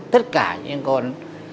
tất cả những con